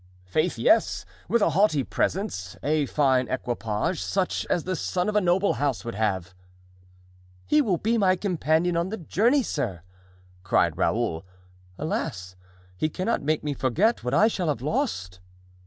"Faith, yes, with a haughty presence, a fine equipage; such as the son of a noble house would have." "He will be my companion on the journey, sir," cried Raoul. "Alas! he cannot make me forget what I shall have lost!"